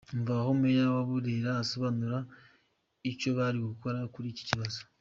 Umva hano Meya wa Burera asobanura icyo bari gukora kuri iki kibazo